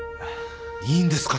いいんですか？